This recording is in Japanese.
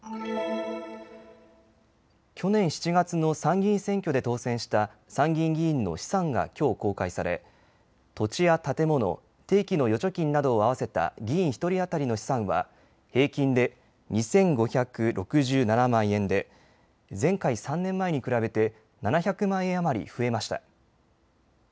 去年７月の参議院選挙で当選した参議院議員の資産がきょう公開され土地や建物、定期の預貯金などを合わせた議員１人当たりの資産は平均で２５６７万円で前回３年前に比べて７００万円余り増えました。